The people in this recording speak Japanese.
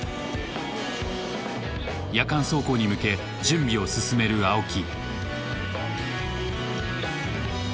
夜間走行に向け準備を進める青木。